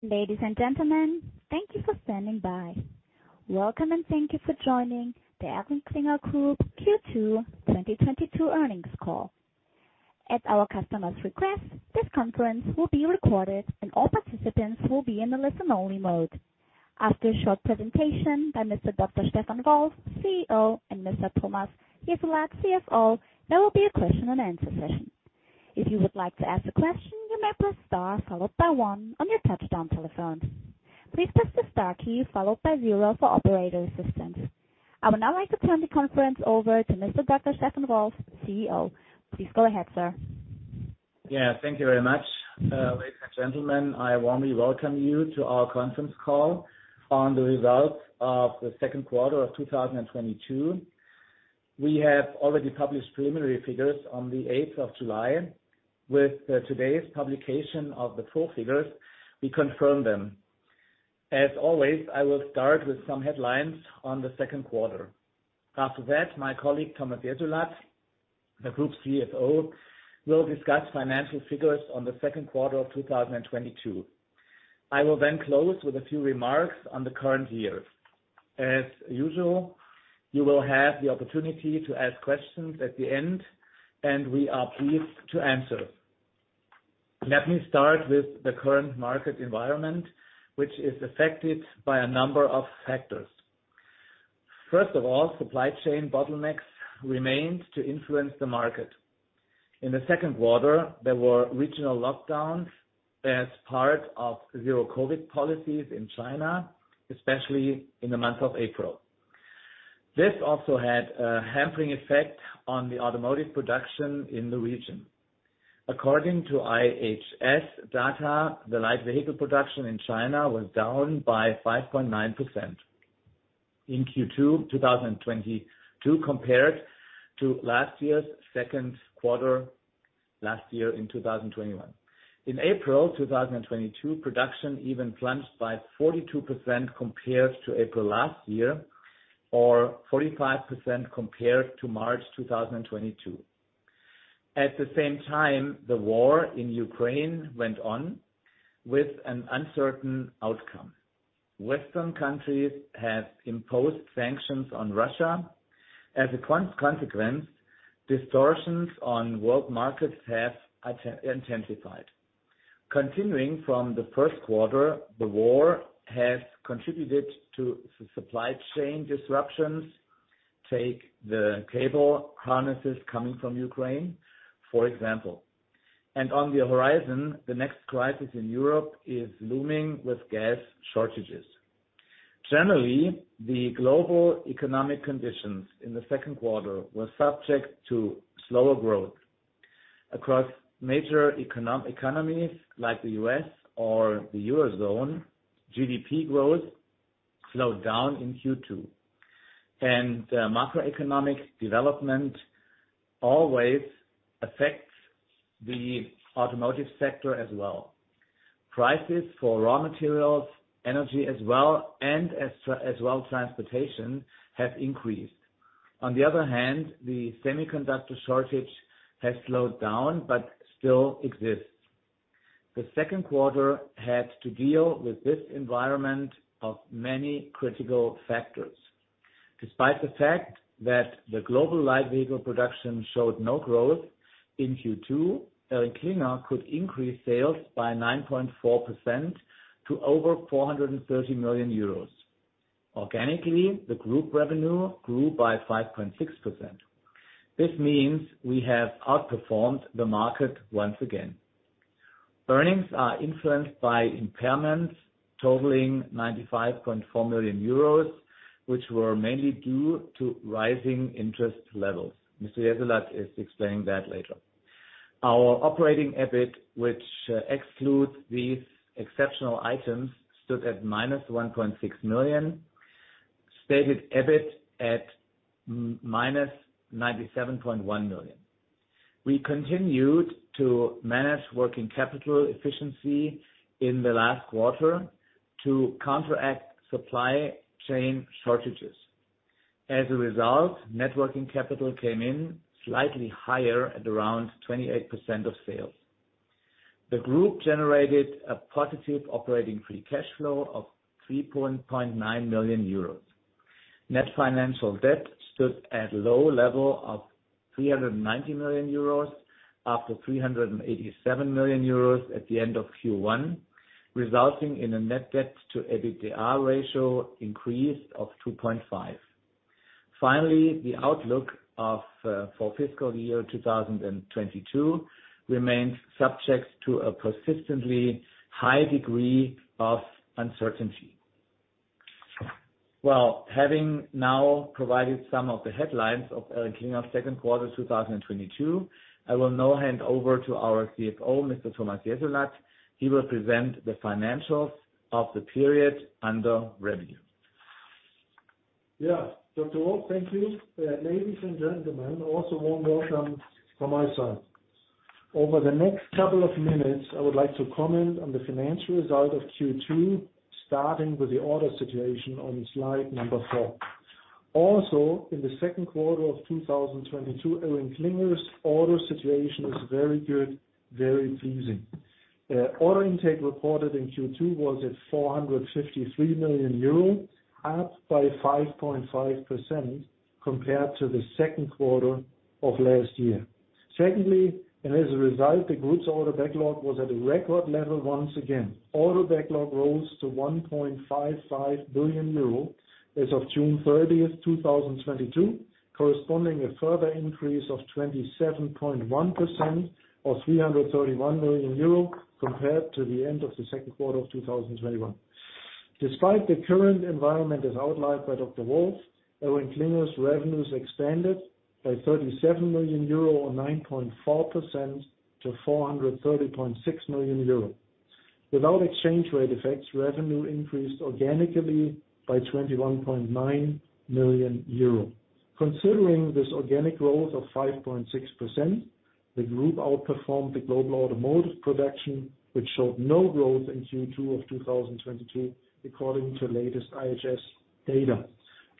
Ladies and gentlemen, thank you for standing by. Welcome, and thank you for joining the ElringKlinger Group Q2 2022 earnings call. At our customer's request, this conference will be recorded, and all participants will be in the listen-only mode. After a short presentation by Dr. Stefan Wolf, CEO, and Thomas Jessulat, CFO, there will be a question and answer session. If you would like to ask a question, you may press star followed by one on your touch-tone telephone. Please press the star key followed by zero for operator assistance. I would now like to turn the conference over to Dr. Stefan Wolf, CEO. Please go ahead, sir. Yeah, thank you very much. Ladies and gentlemen, I warmly welcome you to our conference call on the results of the second quarter of 2022. We have already published preliminary figures on the 8th of July. With today's publication of the full figures, we confirm them. As always, I will start with some headlines on the second quarter. After that, my colleague, Thomas Jessulat, the group's CFO, will discuss financial figures on the second quarter of 2022. I will then close with a few remarks on the current year. As usual, you will have the opportunity to ask questions at the end, and we are pleased to answer. Let me start with the current market environment, which is affected by a number of factors. First of all, supply chain bottlenecks remains to influence the market. In the second quarter, there were regional lockdowns as part of zero-COVID policies in China, especially in the month of April. This also had a hampering effect on the automotive production in the region. According to IHS data, the light vehicle production in China was down by 5.9% in Q2 2022, compared to last year's second quarter in 2021. In April 2022, production even plunged by 42% compared to April last year, or 45% compared to March 2022. At the same time, the war in Ukraine went on with an uncertain outcome. Western countries have imposed sanctions on Russia. As a consequence, distortions on world markets have intensified. Continuing from the first quarter, the war has contributed to supply chain disruptions. Take the cable harnesses coming from Ukraine, for example. On the horizon, the next crisis in Europe is looming with gas shortages. Generally, the global economic conditions in the second quarter were subject to slower growth. Across major economies like the U.S. or the Eurozone, GDP growth slowed down in Q2. Macroeconomic development always affects the automotive sector as well. Prices for raw materials, energy as well, and transportation have increased. On the other hand, the semiconductor shortage has slowed down but still exists. The second quarter had to deal with this environment of many critical factors. Despite the fact that the global light vehicle production showed no growth in Q2, ElringKlinger could increase sales by 9.4% to over 430 million euros. Organically, the group revenue grew by 5.6%. This means we have outperformed the market once again. Earnings are influenced by impairments totaling 95.4 million euros, which were mainly due to rising interest levels. Mr. Jessulat is explaining that later. Our operating EBIT, which excludes these exceptional items, stood at -1.6 million, stated EBIT at -97.1 million. We continued to manage working capital efficiency in the last quarter to counteract supply chain shortages. As a result, net working capital came in slightly higher at around 28% of sales. The group generated a positive operating free cash flow of 3.9 million euros. Net financial debt stood at a low level of 390 million euros, after 387 million euros at the end of Q1, resulting in a net debt to EBITDA ratio increase of 2.5x. Finally, the outlook for fiscal year 2022 remains subject to a persistently high degree of uncertainty. Well, having now provided some of the headlines of ElringKlinger's second quarter 2022, I will now hand over to our CFO, Mr. Thomas Jessulat. He will present the financials of the period under review. Dr. Wolf, thank you. Ladies and gentlemen, also warm welcome from my side. Over the next couple of minutes, I would like to comment on the financial result of Q2, starting with the order situation on slide number four. In the second quarter of 2022, ElringKlinger's order situation was very good, very pleasing. Order intake recorded in Q2 was at 453 million euro, up by 5.5% compared to the second quarter of last year. Secondly, and as a result, the group's order backlog was at a record level once again. Order backlog rose to 1.55 billion euro as of June 30, 2022, corresponding to a further increase of 27.1% or 331 million euro compared to the end of the second quarter of 2021. Despite the current environment as outlined by Dr. Wolf, ElringKlinger's revenues expanded by 37 million euro or 9.4% to 430.6 million euro. Without exchange rate effects, revenue increased organically by 21.9 million euro. Considering this organic growth of 5.6%, the group outperformed the global automotive production, which showed no growth in Q2 of 2022 according to latest IHS data.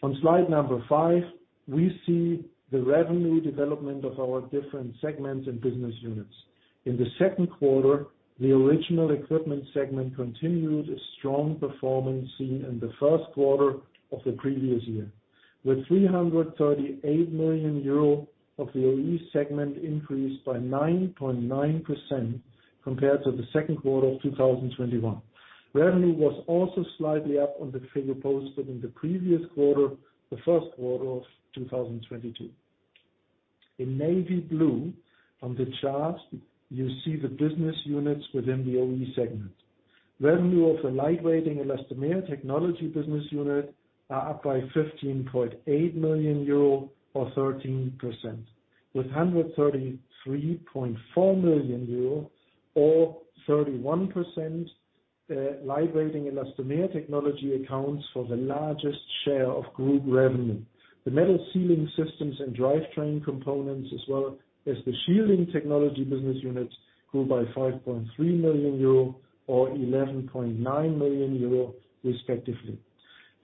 On slide number five, we see the revenue development of our different segments and business units. In the second quarter, the Original Equipment segment continued a strong performance seen in the first quarter of the previous year, with 338 million euro of the OE segment increased by 9.9% compared to the second quarter of 2021. Revenue was also slightly up on the figure posted in the previous quarter, the first quarter of 2022. In navy blue on the chart, you see the business units within the OE segment. Revenue of the Lightweighting/Elastomer Technology business unit are up by 15.8 million euro or 13%. With 133.4 million euro or 31%, Lightweighting/Elastomer Technology accounts for the largest share of group revenue. The Metal Sealing Systems & Drivetrain Components as well as the Shielding Technology business units grew by 5.3 million euro and 11.9 million euro respectively.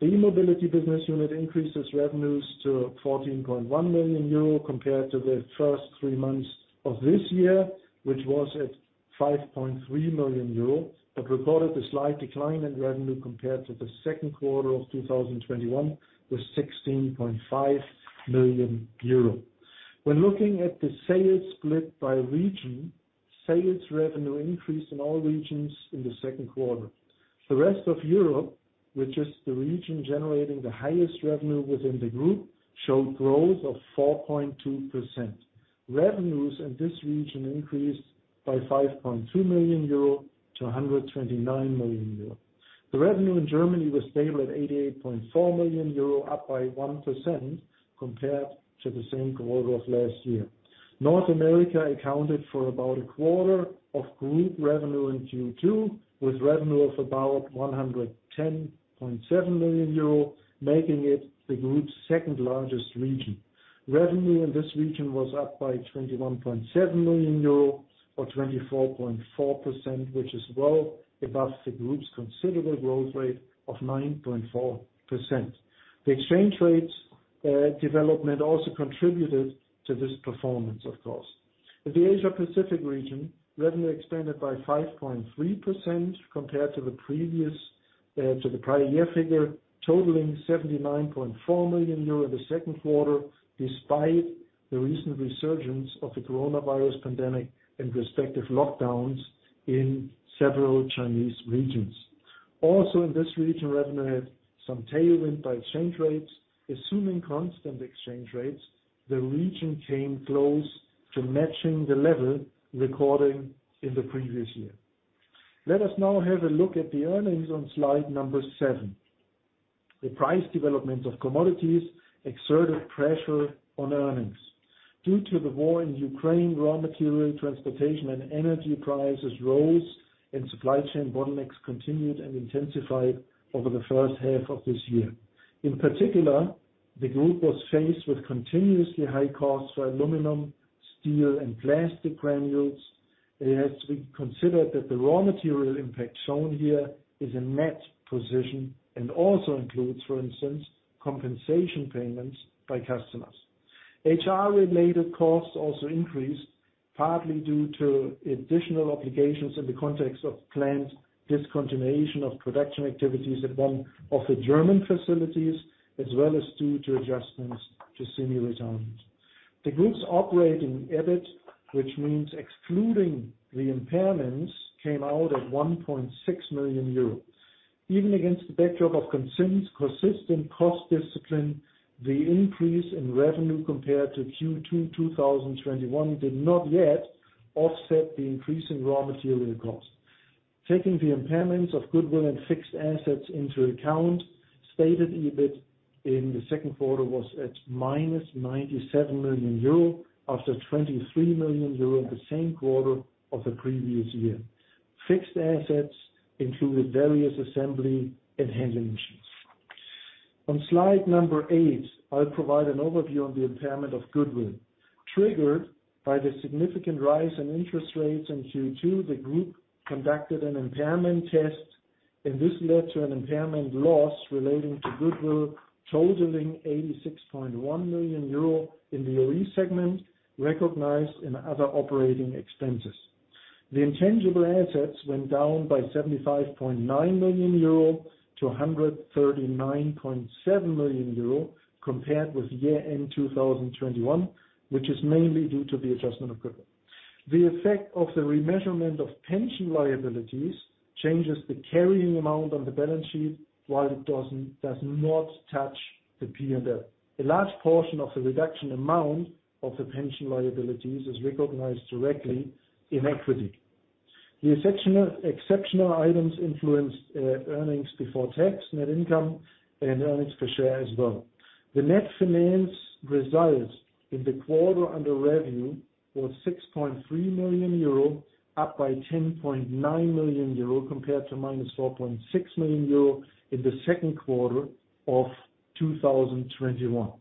The E-Mobility business unit increased its revenues to 14.1 million euro compared to the first three months of this year, which was at 5.3 million euro, but recorded a slight decline in revenue compared to the second quarter of 2021 with 16.5 million euro. When looking at the sales split by region, sales revenue increased in all regions in the second quarter. The rest of Europe, which is the region generating the highest revenue within the group, showed growth of 4.2%. Revenues in this region increased by 5.2 million euro to 129 million euro. The revenue in Germany was stable at 88.4 million euro, up by 1% compared to the same quarter of last year. North America accounted for about a quarter of group revenue in Q2, with revenue of about 110.7 million euro, making it the group's second largest region. Revenue in this region was up by 21.7 million euro or 24.4%, which is well above the group's considerable growth rate of 9.4%. The exchange rates development also contributed to this performance, of course. In the Asia Pacific region, revenue expanded by 5.3% compared to the prior year figure, totaling 79.4 million euro in the second quarter, despite the recent resurgence of the coronavirus pandemic and respective lockdowns in several Chinese regions. Also, in this region, revenue had some tailwind by exchange rates. Assuming constant exchange rates, the region came close to matching the level recorded in the previous year. Let us now have a look at the earnings on slide number seven. The price development of commodities exerted pressure on earnings. Due to the war in Ukraine, raw material, transportation, and energy prices rose, and supply chain bottlenecks continued and intensified over the first half of this year. In particular, the group was faced with continuously high costs for aluminum, steel, and plastic granules. It has to be considered that the raw material impact shown here is a net position and also includes, for instance, compensation payments by customers. HR-related costs also increased, partly due to additional obligations in the context of planned discontinuation of production activities at one of the German facilities, as well as due to adjustments to senior retirement. The group's operating EBIT, which means excluding the impairments, came out at 1.6 million euros. Even against the backdrop of consistent cost discipline, the increase in revenue compared to Q2 2021 did not yet offset the increase in raw material costs. Taking the impairments of goodwill and fixed assets into account, stated EBIT in the second quarter was at -97 million euro, after 23 million euro in the same quarter of the previous year. Fixed assets included various assembly and handling machines. On slide number eight, I'll provide an overview on the impairment of goodwill. Triggered by the significant rise in interest rates in Q2, the group conducted an impairment test, and this led to an impairment loss relating to goodwill totaling 86.1 million euro in the OE segment, recognized in other operating expenses. The intangible assets went down by 75.9 million euro to 139.7 million euro compared with year-end 2021, which is mainly due to the adjustment of goodwill. The effect of the remeasurement of pension liabilities changes the carrying amount on the balance sheet, while it does not touch the P&L. A large portion of the reduction amount of the pension liabilities is recognized directly in equity. The exceptional items influenced earnings before tax, net income, and earnings per share as well. The net finance results in the quarter under review was 6.3 million euro, up by 10.9 million euro compared to -4.6 million euro in the second quarter of 2021.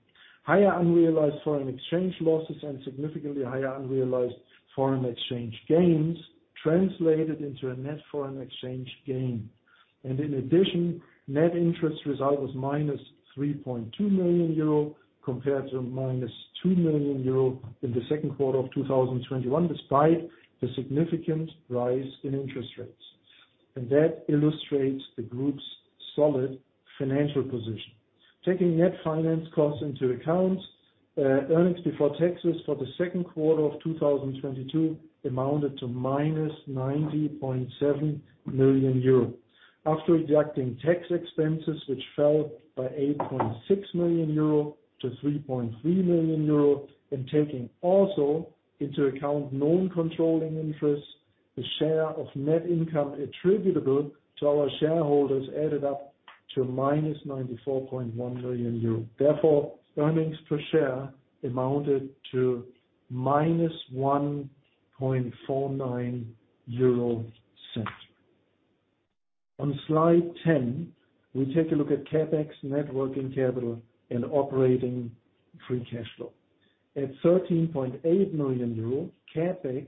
Higher unrealized foreign exchange losses and significantly higher unrealized foreign exchange gains translated into a net foreign exchange gain. In addition, net interest result was -3.2 million euro compared to -2 million euro in the second quarter of 2021, despite the significant rise in interest rates. That illustrates the group's solid financial position. Taking net finance costs into account, earnings before taxes for the second quarter of 2022 amounted to -90.7 million euro. After deducting tax expenses, which fell by 8.6 million euro to 3.3 million euro, and taking also into account non-controlling interest, the share of net income attributable to our shareholders added up to -94.1 million euro. Therefore, earnings per share amounted to -1.49 euro. On slide 10, we take a look at CapEx, net working capital, and operating free cash flow. At 13.8 million euro, CapEx,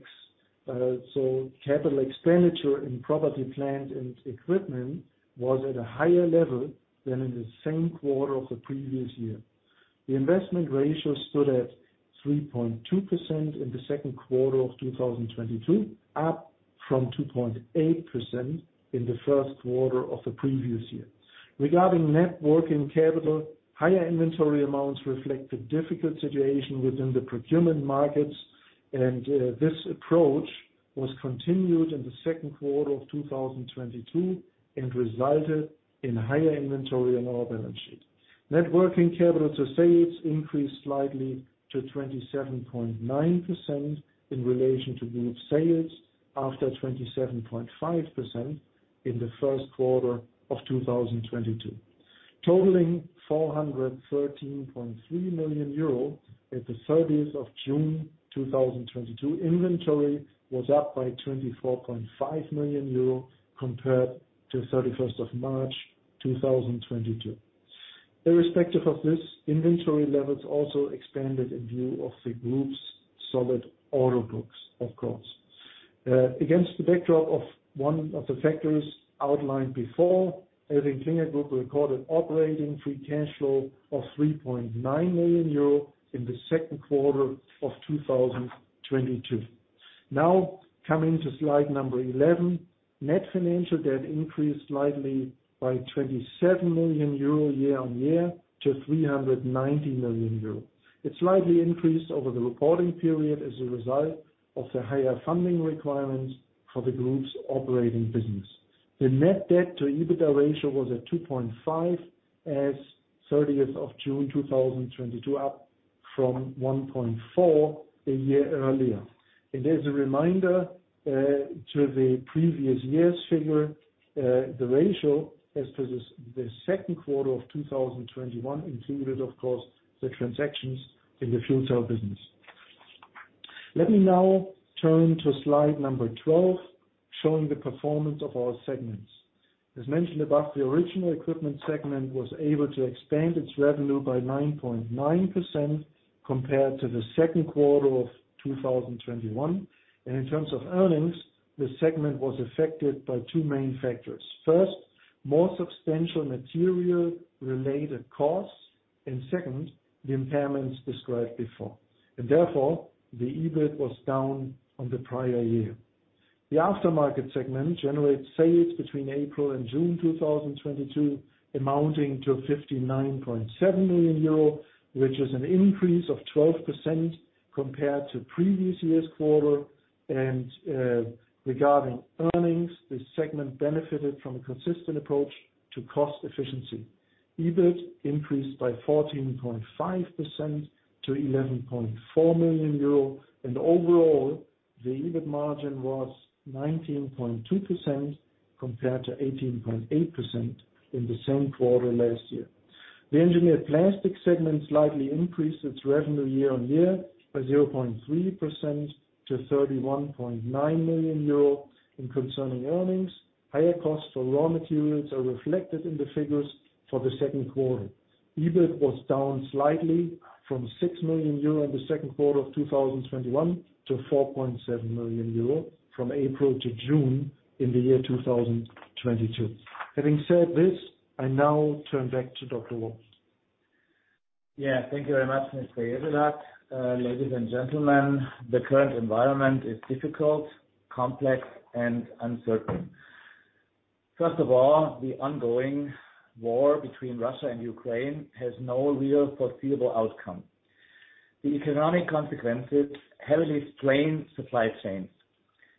so capital expenditure in property, plant, and equipment, was at a higher level than in the same quarter of the previous year. The investment ratio stood at 3.2% in the second quarter of 2022, up from 2.8% in the first quarter of the previous year. Regarding net working capital, higher inventory amounts reflect the difficult situation within the procurement markets, and this approach was continued in the second quarter of 2022 and resulted in higher inventory on our balance sheet. Net working capital to sales increased slightly to 27.9% in relation to group sales after 27.5% in the first quarter of 2022. Totaling 413.3 million euro at the 30th of June 2022, inventory was up by 24.5 million euro compared to 31st of March 2022. Irrespective of this, inventory levels also expanded in view of the group's solid order books, of course. Against the backdrop of one of the factors outlined before, ElringKlinger Group recorded operating free cash flow of 3.9 million euro in the second quarter of 2022. Now, coming to slide number 11. Net financial debt increased slightly by 27 million euro year-on-year to 390 million euro. It slightly increased over the reporting period as a result of the higher funding requirements for the group's operating business. The net debt to EBITDA ratio was at 2.5x as of 30th of June 2022, up from 1.4x a year earlier. As a reminder, to the previous year's figure, the ratio as of the second quarter of 2021 included, of course, the transactions in the Fuel Cell business. Let me now turn to slide number 12, showing the performance of our segments. As mentioned above, the Original Equipment segment was able to expand its revenue by 9.9% compared to the second quarter of 2021. In terms of earnings, the segment was affected by two main factors. First, more substantial material related costs, and second, the impairments described before. Therefore, the EBIT was down on the prior year. The aftermarket segment generated sales between April and June 2022 amounting to 59.7 million euro, which is an increase of 12% compared to previous year's quarter. Regarding earnings, this segment benefited from a consistent approach to cost efficiency. EBIT increased by 14.5% to 11.4 million euro. Overall, the EBIT margin was 19.2% compared to 18.8% in the same quarter last year. The engineered plastic segment slightly increased its revenue year-on-year by 0.3% to 31.9 million euro. Concerning earnings, higher costs for raw materials are reflected in the figures for the second quarter. EBIT was down slightly from 6 million euro in the second quarter of 2021, to 4.7 million euro from April to June in the year 2022. Having said this, I now turn back to Dr. Wolf. Yeah. Thank you very much, Mr. Jessulat. Ladies and gentlemen, the current environment is difficult, complex, and uncertain. First of all, the ongoing war between Russia and Ukraine has no real foreseeable outcome. The economic consequences heavily strain supply chains.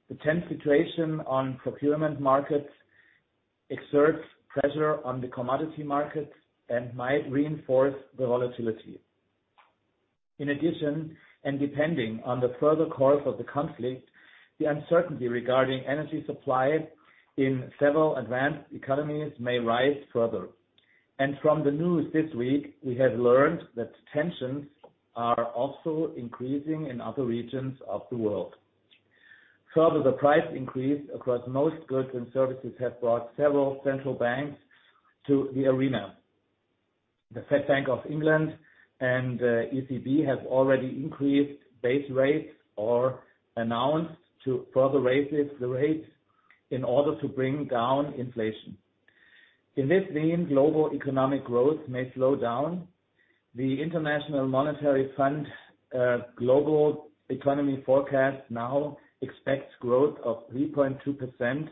The tense situation on procurement markets exerts pressure on the commodity markets and might reinforce the volatility. In addition, and depending on the further course of the conflict, the uncertainty regarding energy supply in several advanced economies may rise further. From the news this week, we have learned that tensions are also increasing in other regions of the world. Further, the price increase across most goods and services have brought several central banks to the arena. The Fed, Bank of England, and ECB has already increased base rates or announced to further raises the rates in order to bring down inflation. In this vein, global economic growth may slow down. The International Monetary Fund global economy forecast now expects growth of 3.2%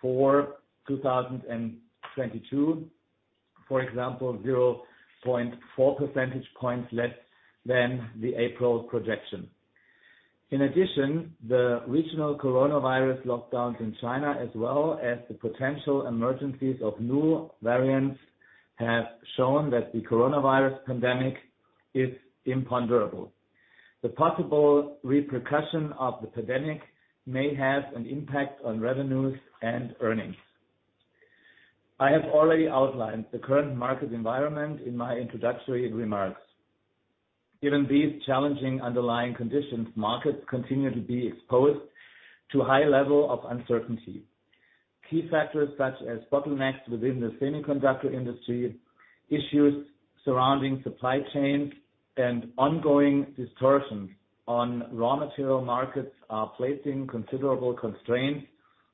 for 2022, for example, 0.4 percentage points less than the April projection. In addition, the regional coronavirus lockdowns in China, as well as the potential emergence of new variants, have shown that the coronavirus pandemic is imponderable. The possible repercussion of the pandemic may have an impact on revenues and earnings. I have already outlined the current market environment in my introductory remarks. Given these challenging underlying conditions, markets continue to be exposed to high level of uncertainty. Key factors such as bottlenecks within the semiconductor industry, issues surrounding supply chains, and ongoing distortions on raw material markets are placing considerable constraints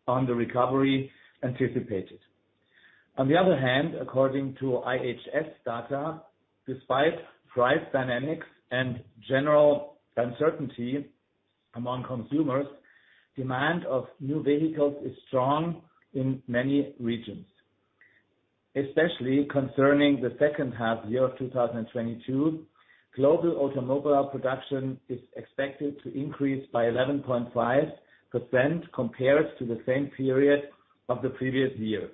on the recovery anticipated. On the other hand, according to IHS data, despite price dynamics and general uncertainty among consumers, demand of new vehicles is strong in many regions. Especially concerning the second half of 2022, global automobile production is expected to increase by 11.5% compared to the same period of the previous year,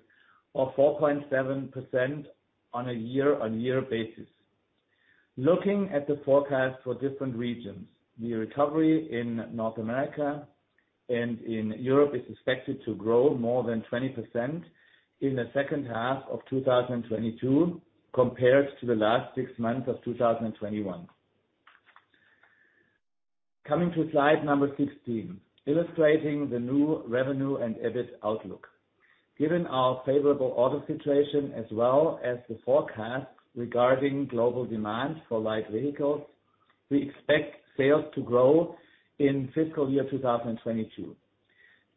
or 4.7% on a year-on-year basis. Looking at the forecast for different regions, the recovery in North America and in Europe is expected to grow more than 20% in the second half of 2022 compared to the last six months of 2021. Coming to slide number 16, illustrating the new revenue and EBIT outlook. Given our favorable order situation as well as the forecast regarding global demand for light vehicles, we expect sales to grow in fiscal year 2022.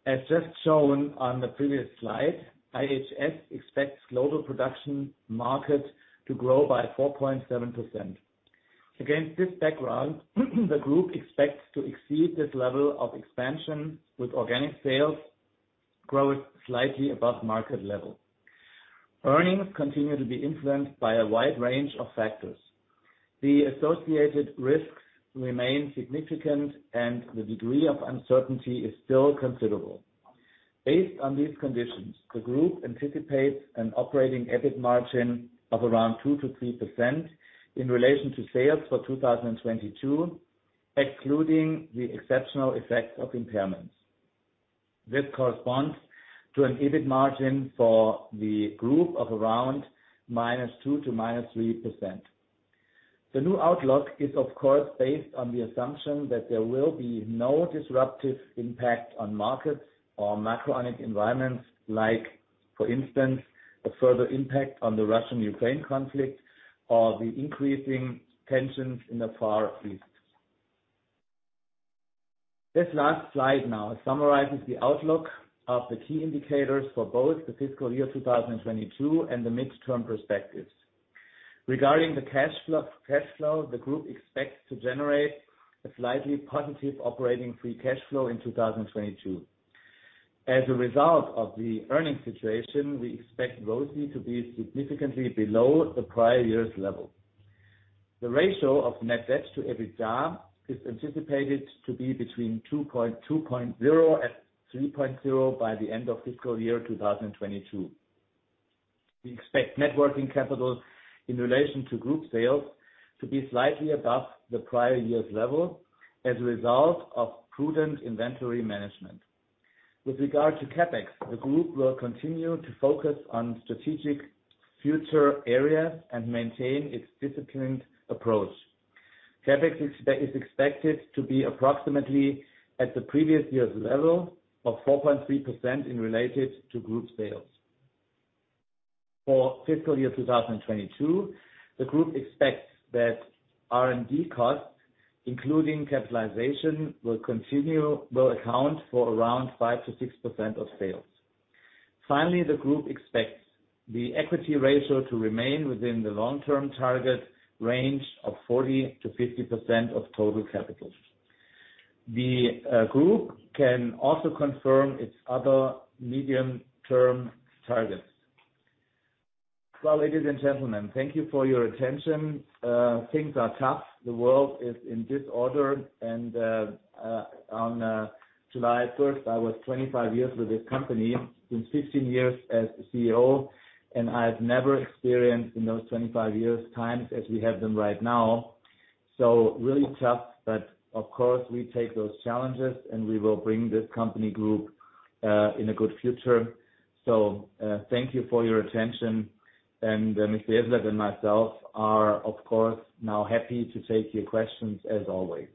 As just shown on the previous slide, IHS expects global production market to grow by 4.7%. Against this background, the group expects to exceed this level of expansion with organic sales growth slightly above market level. Earnings continue to be influenced by a wide range of factors. The associated risks remain significant, and the degree of uncertainty is still considerable. Based on these conditions, the group anticipates an operating EBIT margin of around 2%-3% in relation to sales for 2022, excluding the exceptional effects of impairments. This corresponds to an EBIT margin for the group of around -2% to -3%. The new outlook is, of course, based on the assumption that there will be no disruptive impact on markets or macroeconomic environments, like for instance, a further impact on the Russian-Ukraine conflict or the increasing tensions in the Far East. This last slide now summarizes the outlook of the key indicators for both the fiscal year 2022 and the midterm perspectives. Regarding the cash flow, the group expects to generate a slightly positive operating free cash flow in 2022. As a result of the earnings situation, we expect ROCE to be significantly below the prior year's level. The ratio of net debt to EBITDA is anticipated to be between 2.0x and 3.0x by the end of fiscal year 2022. We expect net working capital in relation to group sales to be slightly above the prior year's level as a result of prudent inventory management. With regard to CapEx, the group will continue to focus on strategic future areas and maintain its disciplined approach. CapEx is expected to be approximately at the previous year's level of 4.3% in relation to group sales. For fiscal year 2022, the group expects that R&D costs, including capitalization, will account for around 5%-6% of sales. Finally, the group expects the equity ratio to remain within the long-term target range of 40%-50% of total capital. The group can also confirm its other medium-term targets. Well, ladies and gentlemen, thank you for your attention. Things are tough. The world is in disorder. On July 1st, I was 25 years with this company, been 16 years as the CEO, and I've never experienced in those 25 years time as we have them right now. Really tough, but of course, we take those challenges, and we will bring this company group in a good future. Thank you for your attention. Mr. Jessulat and myself are, of course, now happy to take your questions as always.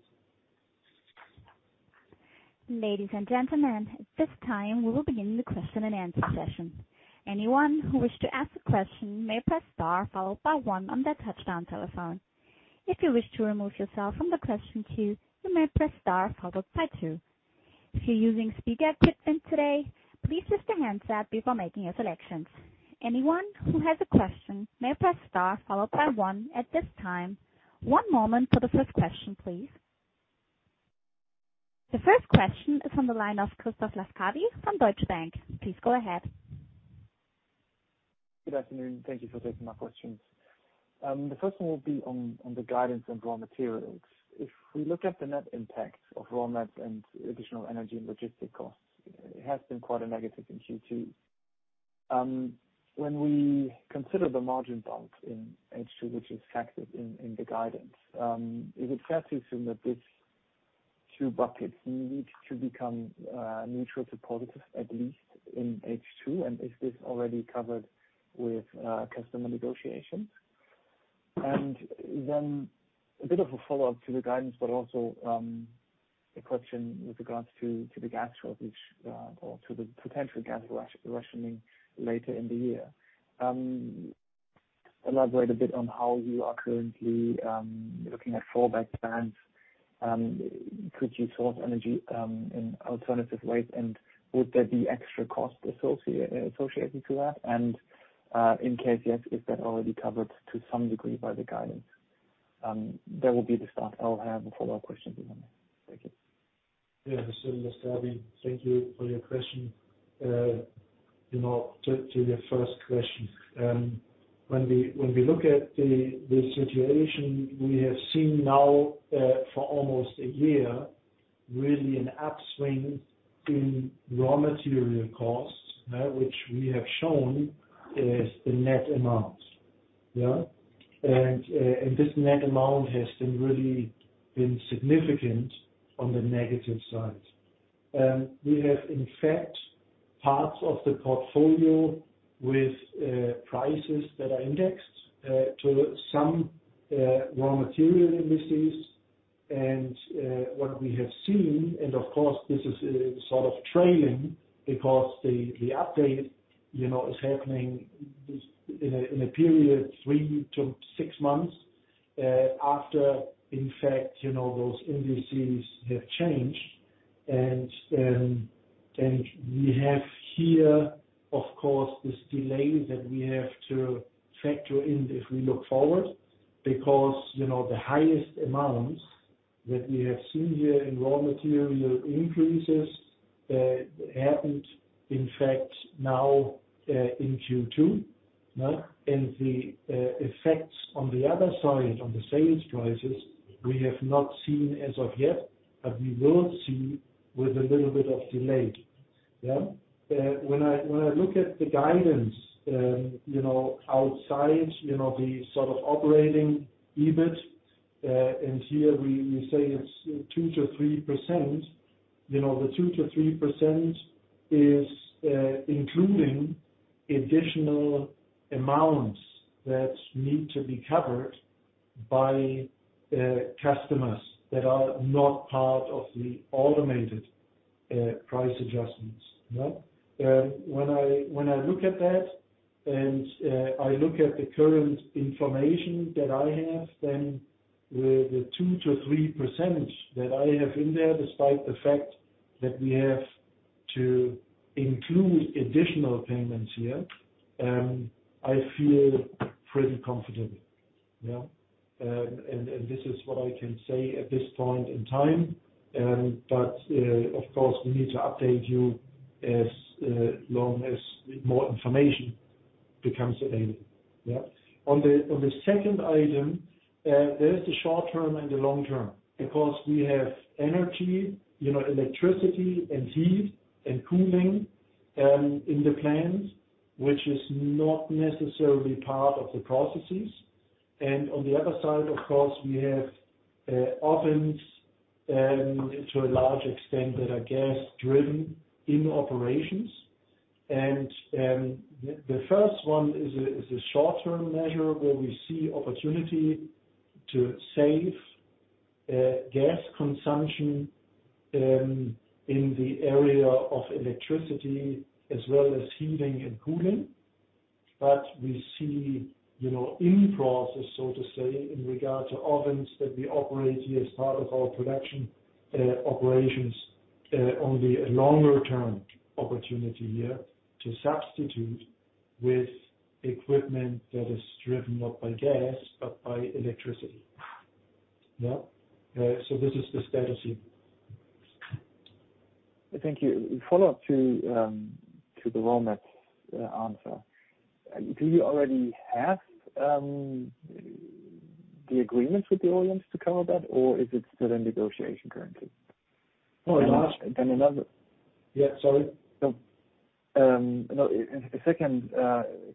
Ladies and gentlemen, at this time, we will begin the question and answer session. Anyone who wishes to ask a question may press star followed by one on their touch-tone telephone. If you wish to remove yourself from the question queue, you may press star followed by two. If you're using speaker equipment today, please lift your handset before making your selections. Anyone who has a question may press star followed by one at this time. One moment for the first question, please. The first question is from the line of Christoph Laskawi from Deutsche Bank. Please go ahead. Good afternoon. Thank you for taking my questions. The first one will be on the guidance on raw materials. If we look at the net impact of raw materials and additional energy and logistic costs, it has been quite a negative in Q2. When we consider the margin bump in H2, which is factored in the guidance, is it fair to assume that these two buckets need to become neutral to positive, at least in H2? And is this already covered with customer negotiations? Then a bit of a follow-up to the guidance, but also a question with regards to the gas shortage or to the potential gas rationing later in the year. Elaborate a bit on how you are currently looking at fallback plans. Could you source energy in alternative ways, and would there be extra cost associated to that? In case, yes, is that already covered to some degree by the guidance? That will be the start. I'll have a follow-up question for you. Thank you. Yeah. Christoph Laskawi, thank you for your question. You know, to your first question, when we look at the situation we have seen now, for almost a year, really an upswing in raw material costs, which we have shown is the net amount. Yeah. This net amount has been really significant on the negative side. We have in fact parts of the portfolio with prices that are indexed to some raw material indices. What we have seen and of course, this is sort of trailing because the update, you know, is happening in a period three to six months after in fact, you know, those indices have changed. We have here, of course, this delay that we have to factor in if we look forward because, you know, the highest amounts that we have seen here in raw material increases happened in fact now in Q2. The effects on the other side, on the sales prices we have not seen as of yet, but we will see with a little bit of delay. Yeah. When I look at the guidance, you know, outside, you know, the sort of operating EBIT, and here we say it's 2%-3%, you know, the 2%-3% is including additional amounts that need to be covered by customers that are not part of the automated price adjustments. When I look at that and I look at the current information that I have, then the 2%-3% that I have in there, despite the fact that we have to include additional payments here, I feel pretty confident. Yeah. This is what I can say at this point in time. Of course, we need to update you as long as more information becomes available. Yeah. On the second item, there is the short term and the long term because we have energy, you know, electricity and heat and cooling, in the plants, which is not necessarily part of the processes. On the other side, of course, we have ovens to a large extent that are gas-driven in operations. The first one is a short-term measure where we see opportunity to save gas consumption in the area of electricity as well as heating and cooling. We see, you know, in process, so to say, in regard to ovens that we operate here as part of our production operations only a longer term opportunity here to substitute with equipment that is driven not by gas, but by electricity. Yeah. This is the status here. Thank you. A follow-up to the raw materials answer. Do you already have the agreements with the OEMs to cover that, or is it still in negotiation currently? No, in ask And another— Yeah, sorry. —no. A second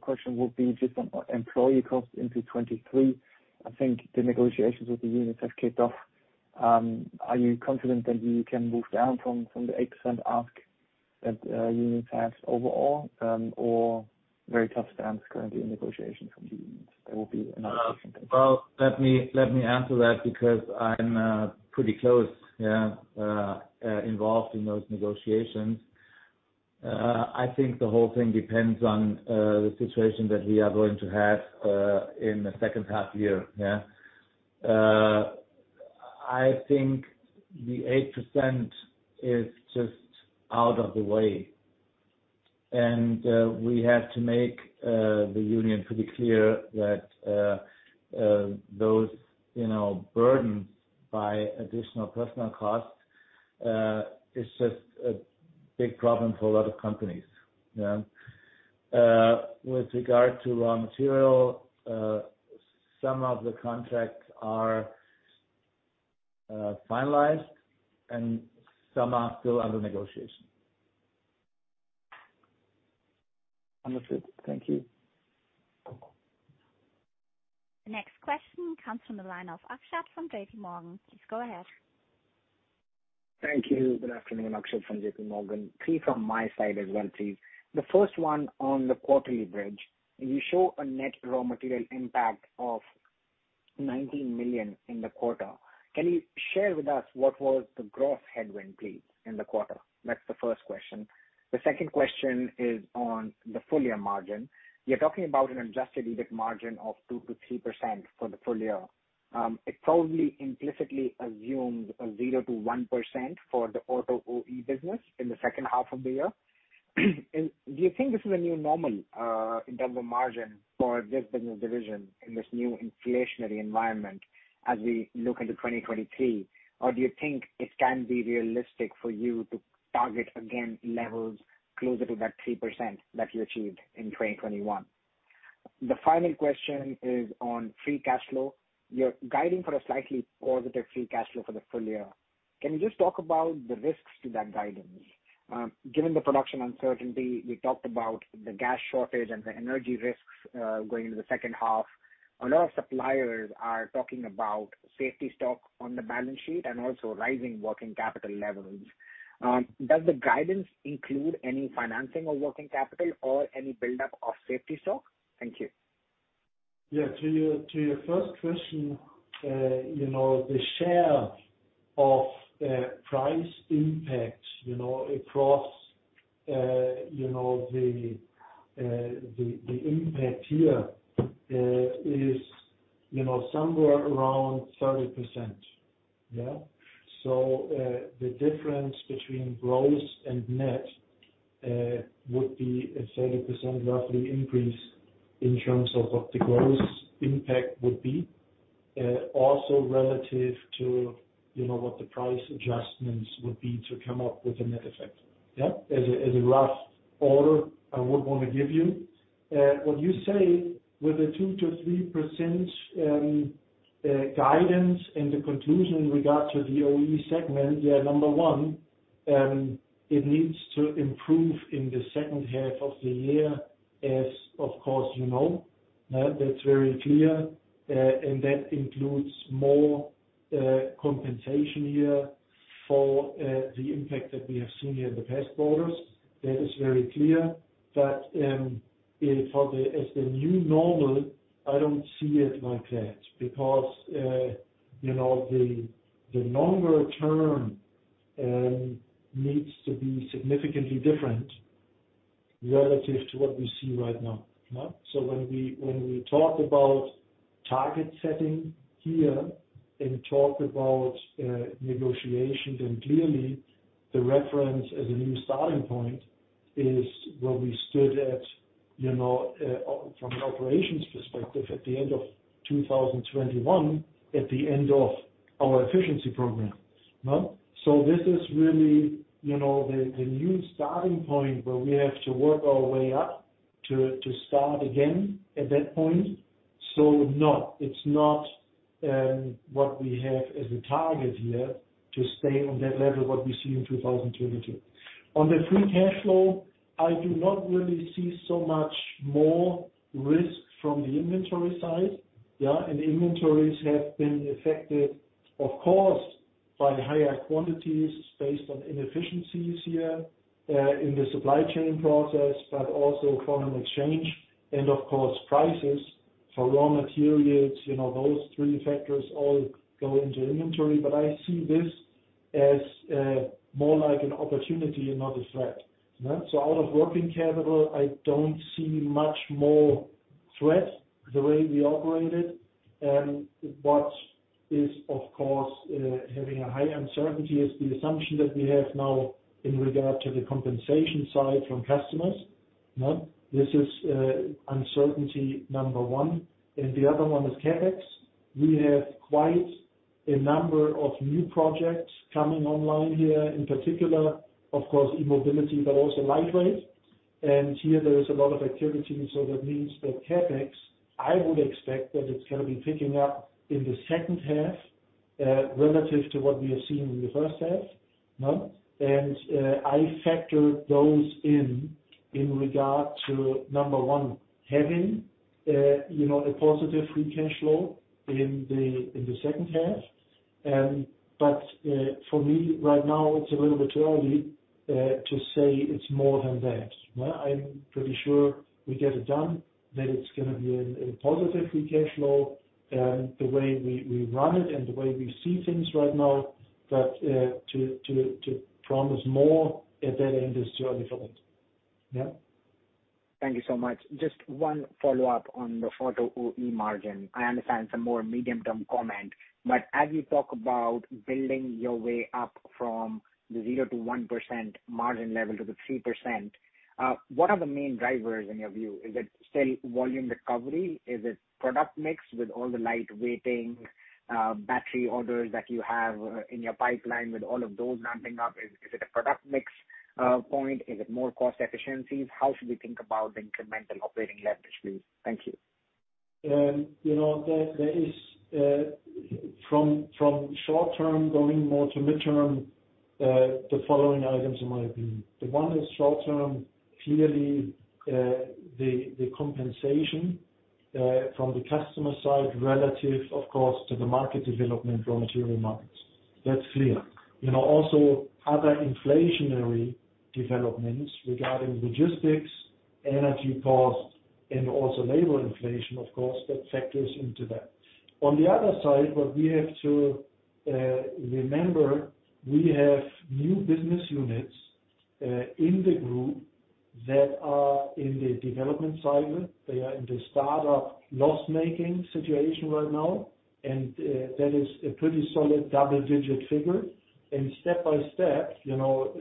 question would be just on employee costs into 2023. I think the negotiations with the unions have kicked off. Are you confident that you can move down from the 8% ask that unions have overall, or very tough stance currently in negotiations from the unions? That will be another question. Well, let me answer that because I'm pretty close involved in those negotiations. I think the whole thing depends on the situation that we are going to have in the second half year. I think the 8% is just out of the way. We have to make the union pretty clear that those, you know, burdens by additional personal costs is just a big problem for a lot of companies. With regard to raw material, some of the contracts are finalized and some are still under negotiation. Understood. Thank you. The next question comes from the line of Akshat from JPMorgan. Please go ahead. Thank you. Good afternoon, Akshat from JPMorgan. Three from my side as well, please. The first one on the quarterly bridge, you show a net raw material impact of 19 million in the quarter. Can you share with us what was the gross headwind please in the quarter? That's the first question. The second question is on the full year margin. You're talking about an adjusted EBIT margin of 2%-3% for the full year. It probably implicitly assumed a 0%-1% for the Auto OE business in the second half of the year. Do you think this is a new normal, in terms of margin for this business division in this new inflationary environment as we look into 2023? Do you think it can be realistic for you to target again levels closer to that 3% that you achieved in 2021? The final question is on free cash flow. You're guiding for a slightly positive free cash flow for the full year. Can you just talk about the risks to that guidance? Given the production uncertainty, you talked about the gas shortage and the energy risks, going into the second half. A lot of suppliers are talking about safety stock on the balance sheet and also rising working capital levels. Does the guidance include any financing of working capital or any buildup of safety stock? Thank you. Yeah. To your first question, you know, the share of price impact, you know, across, you know, the impact here, is, you know, somewhere around 30%. Yeah. The difference between gross and net would be a roughly 30% increase in terms of what the gross impact would be, also relative to, you know, what the price adjustments would be to come up with a net effect. Yeah. As a rough order, I would want to give you. What you say with the 2%-3% guidance and the conclusion in regards to the OE segment, yeah, number one, it needs to improve in the second half of the year, of course, you know. That's very clear. That includes more compensation here for the impact that we have seen here in the past quarters. That is very clear. As the new normal, I don't see it like that because you know the longer term needs to be significantly different relative to what we see right now. When we talk about target setting here and talk about negotiations, clearly the reference as a new starting point is where we stood at you know from an operations perspective at the end of 2021, at the end of our efficiency program. No? This is really you know the new starting point where we have to work our way up to start again at that point. No, it's not what we have as a target here to stay on that level, what we see in 2022. On the free cash flow, I do not really see so much more risk from the inventory side. Inventories have been affected, of course, by higher quantities based on inefficiencies here in the supply chain process, but also foreign exchange and, of course, prices for raw materials. You know, those three factors all go into inventory. But I see this as more like an opportunity and not a threat. Out of working capital, I don't see much more threat the way we operate it. What is, of course, having a high uncertainty is the assumption that we have now in regard to the compensation side from customers. This is uncertainty number one, and the other one is CapEx. We have quite a number of new projects coming online here. In particular, of course, E-Mobility, but also Lightweight. Here there is a lot of activity, so that means that CapEx, I would expect that it's gonna be picking up in the second half, relative to what we have seen in the first half. I factor those in regard to, number one, having, you know, a positive free cash flow in the second half. For me right now, it's a little bit early to say it's more than that. I'm pretty sure we get it done, that it's gonna be a positive free cash flow, the way we run it and the way we see things right now. To promise more at that end is too early for me. Yeah. Thank you so much. Just one follow-up on the flow-through OE margin. I understand it's a more medium-term comment, but as you talk about building your way up from the 0%-1% margin level to the 3%, what are the main drivers in your view? Is it still volume recovery? Is it product mix with all the lightweighting, battery orders that you have in your pipeline with all of those ramping up, is it a product mix point? Is it more cost efficiencies? How should we think about the incremental operating leverage, please? Thank you. You know, there is from short term going more to midterm the following items in my opinion. The one is short term, clearly, the compensation from the customer side relative of course to the market development, raw material markets. That's clear. You know, also other inflationary developments regarding logistics, energy costs and also labor inflation, of course, that factors into that. On the other side, what we have to remember, we have new business units in the group that are in the development cycle. They are in the start of loss-making situation right now, and that is a pretty solid double-digit figure. Step by step, you know,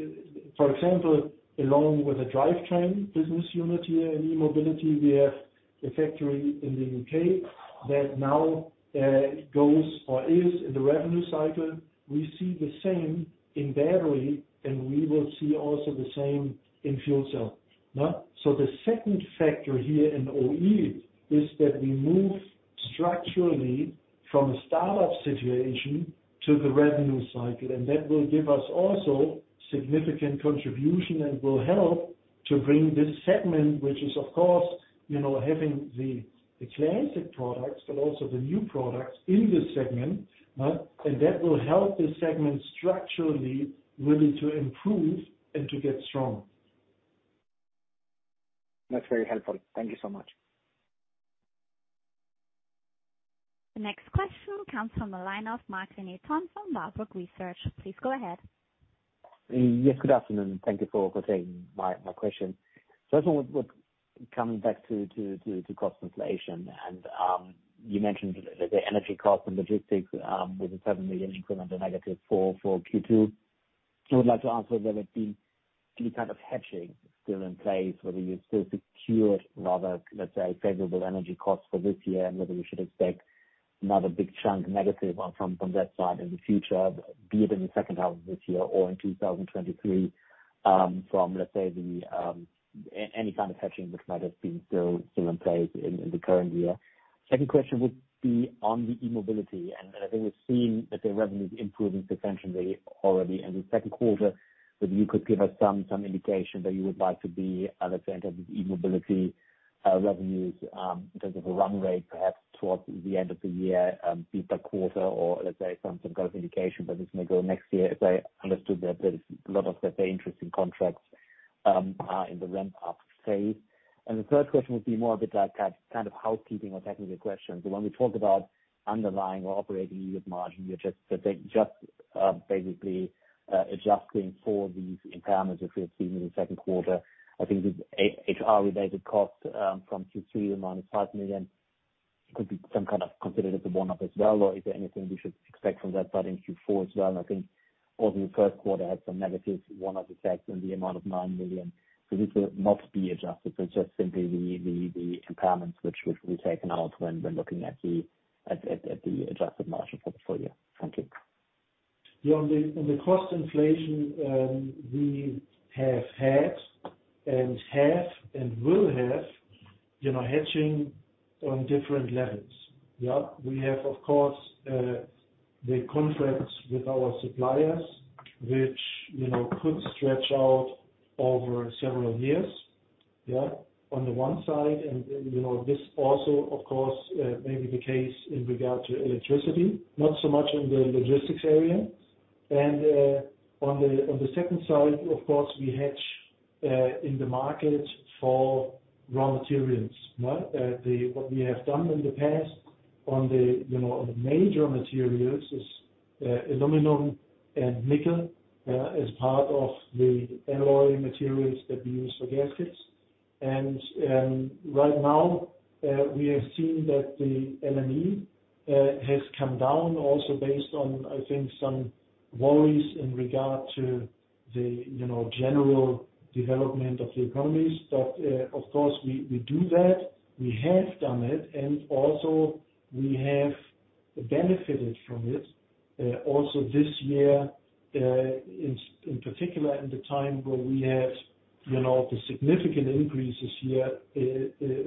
for example, along with the Drivetrain business unit here in E-Mobility, we have a factory in the U.K. that now goes or is in the revenue cycle. We see the same in battery, and we will see also the same in fuel cell. No? The second factor here in OE is that we move structurally from a start-up situation to the revenue cycle, and that will give us also significant contribution and will help to bring this segment, which is of course, you know, having the classic products but also the new products in this segment. That will help this segment structurally, really to improve and to get stronger. That's very helpful. Thank you so much. The next question comes from the line of Marc-René Tonn from Warburg Research. Please go ahead. Yes, good afternoon. Thank you for taking my question. First one, coming back to cost inflation and you mentioned the energy cost and logistics with the 7 million increment and -4 million for Q2. I would like to ask whether there's been any kind of hedging still in place, whether you still secured rather, let's say, favorable energy costs for this year and whether we should expect another big chunk negative from that side in the future, be it in the second half of this year or in 2023, from, let's say, any kind of hedging which might have been still in place in the current year. Second question would be on the E-Mobility. I think we've seen that the revenue is improving substantially already in the second quarter. Whether you could give us some indication that you would like to be at, let's say, in terms of E-Mobility revenues, in terms of a run rate, perhaps towards the end of the year, be it per quarter or let's say some kind of indication that this may go next year. As I understood that there's a lot of, let's say, interesting contracts in the ramp-up phase. The third question would be more a bit like a kind of housekeeping or technical question. When we talk about underlying or operating EBIT margin, you're just basically adjusting for these impairments which we have seen in the second quarter. I think the HR-related cost from Q3 amount is 5 million. It could be some kind of considered as a one-off as well or is there anything we should expect from that side in Q4 as well? I think also the first quarter had some negative one-off effects in the amount of 9 million. These will not be adjusted, so it's just simply the impairments which we taken out when we're looking at the adjusted margin for the full year. Thank you. On the cost inflation, we have had, have, and will have, you know, hedging on different levels. We have of course the contracts with our suppliers which, you know, could stretch out over several years. On the one side and, you know, this also of course may be the case in regard to electricity, not so much in the logistics area. On the second side, of course, we hedge in the market for raw materials. No? What we have done in the past on the major materials is aluminum and nickel as part of the alloy materials that we use for gaskets. Right now, we have seen that the LME has come down also based on, I think, some worries in regard to the, you know, general development of the economies. Of course we do that. We have done it, and also we have benefited from it also this year in particular in the time where we had, you know, the significant increases here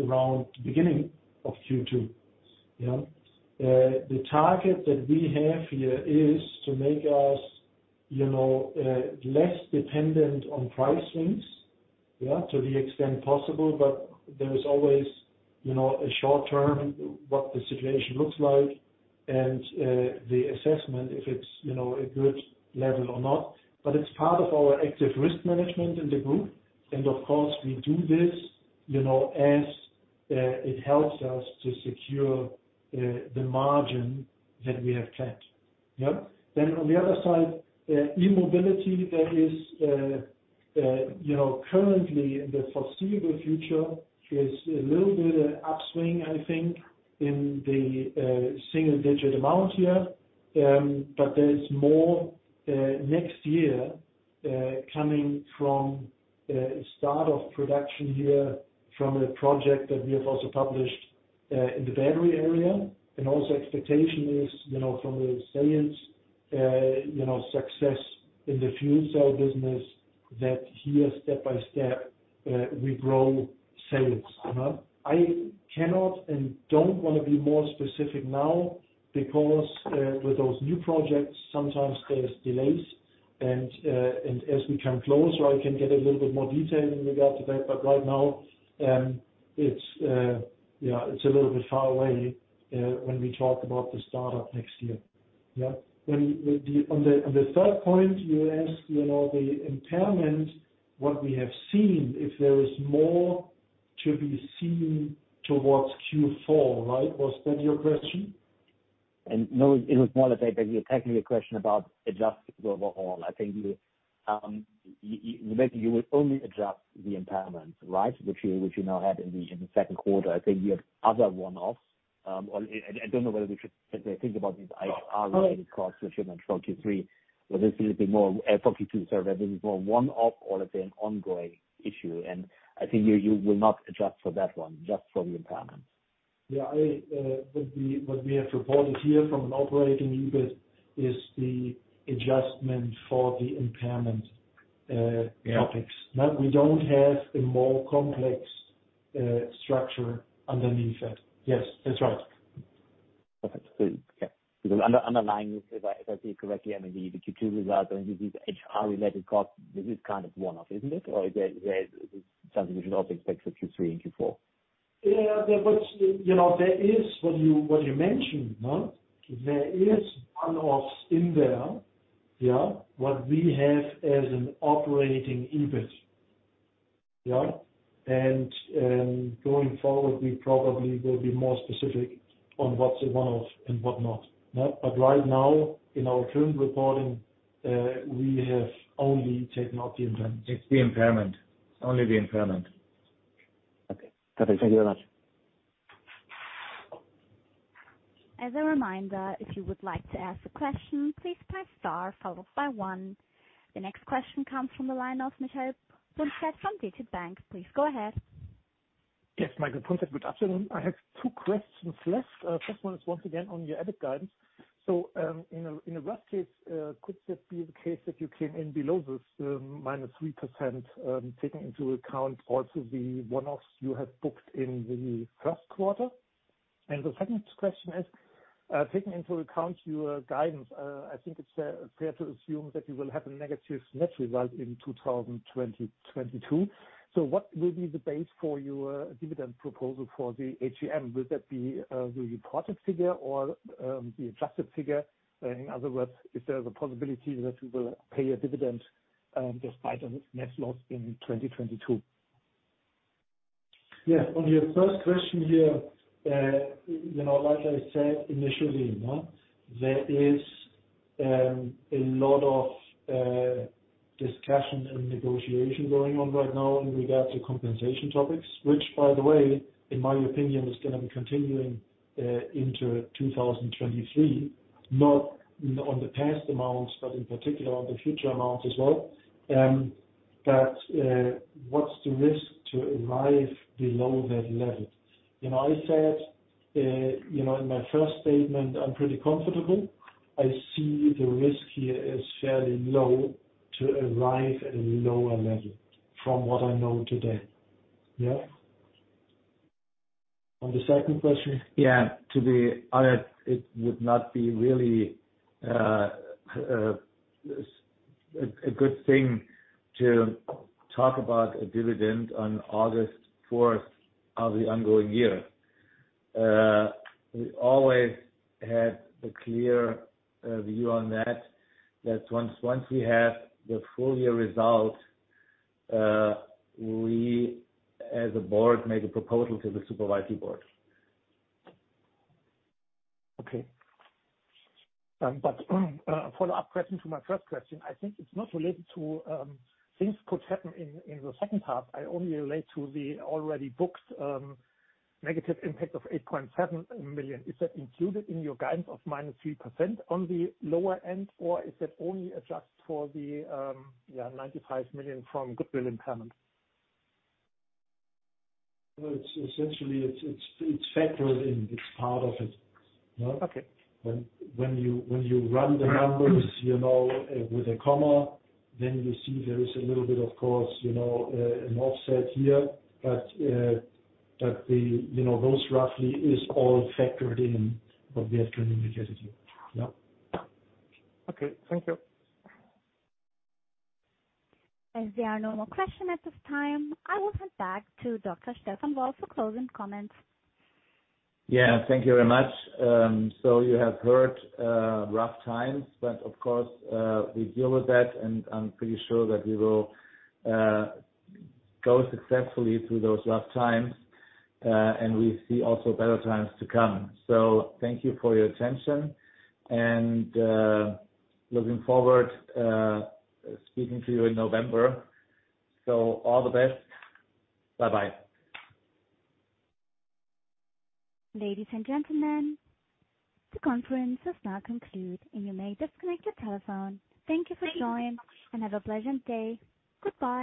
around the beginning of Q2. You know? The target that we have here is to make us, you know, less dependent on price swings, yeah, to the extent possible. There is always, you know, a short term what the situation looks like and the assessment if it's, you know, a good level or not. It's part of our active risk management in the group. Of course, we do this, you know, as it helps us to secure the margin that we have set. Yeah? On the other side, E-Mobility, there is, you know, currently in the foreseeable future a little bit upswing, I think, in the single digit amount here. But there is more next year coming from start of production here from a project that we have also published in the battery area. Also expectation is, you know, from the sales, you know, success in the Fuel Cell business that here step by step we grow sales. You know? I cannot and don't wanna be more specific now because with those new projects, sometimes there's delays and as we come close, I can get a little bit more detail in regard to that. Right now, it's a little bit far away when we talk about the startup next year. On the third point, you asked, you know, the impairment, what we have seen, if there is more to be seen towards Q4, right? Was that your question? No, it was more that you're tackling a question about adjustments overall. I think you maybe will only adjust the impairment, right? Which you now had in the second quarter. I think you have other one-offs, or I don't know whether we should, if I think about these HR-related costs, which are in 2023, whether this is more one-off or if they're an ongoing issue. I think you will not adjust for that one, just for the impairment. Yeah. What we have reported here from an operating EBIT is the adjustment for the impairment. Yeah. Topics. No, we don't have a more complex structure underneath that. Yes, that's right. Perfect. Yeah. Because underlying, if I see it correctly, I mean, the Q2 results and these HR-related costs, this is kind of one-off, isn't it? Or is there something we should also expect for Q3 and Q4? Yeah. You know, there is what you mentioned, no? There is one-offs in there, yeah, what we have as an operating EBIT. Going forward, we probably will be more specific on what's a one-off and what not. No? Right now, in our current reporting, we have only taken out the impairment. It's the impairment. Only the impairment. Okay. Perfect. Thank you very much. As a reminder, if you would like to ask a question, please press star followed by one. The next question comes from the line of Michael Punzet from DZ BANK. Please go ahead. Yes. Michael Punzet. Good afternoon. I have two questions left. First one is once again on your EBIT guidance. In a rough case, could that be the case that you came in below this -3%, taking into account also the one-offs you have booked in the first quarter? The second question is, taking into account your guidance, I think it's fair to assume that you will have a negative net result in 2022. What will be the base for your dividend proposal for the AGM? Will that be the reported figure or the adjusted figure? In other words, is there the possibility that you will pay a dividend despite a net loss in 2022? Yeah. On your first question here, you know, like I said initially, no? There is a lot of discussion and negotiation going on right now in regard to compensation topics, which by the way, in my opinion, is gonna be continuing into 2023. Not on the past amounts, but in particular on the future amounts as well. What's the risk to arrive below that level? You know, I said, you know, in my first statement, I'm pretty comfortable. I see the risk here as fairly low to arrive at a lower level from what I know today. Yeah? On the second question? Yeah. To be honest, it would not be really a good thing to talk about a dividend on August 4th of the ongoing year. We always had the clear view on that. That once we have the full year result, we as a board make a proposal to the supervising board. Okay. A follow-up question to my first question. I think it's not related to things could happen in the second half. I only relate to the already booked negative impact of 8.7 million. Is that included in your guidance of -3% on the lower end, or is that only adjusted for the 95 million from goodwill impairment? No, it's essentially it's factored in. It's part of it. You know? Okay. When you run the numbers, you know, with a comma, then you see there is a little bit of course, you know, an offset here. But the, you know, those roughly is all factored in what we have communicated here. Yeah. Okay. Thank you. As there are no more questions at this time, I will hand back to Dr. Stefan Wolf for closing comments. Yeah. Thank you very much. You have heard rough times, but of course we deal with that, and I'm pretty sure that we will go successfully through those rough times. We see also better times to come. Thank you for your attention and looking forward speaking to you in November. All the best. Bye-bye. Ladies and gentlemen, the conference is now concluded, and you may disconnect your telephone. Thank you for joining and have a pleasant day. Goodbye.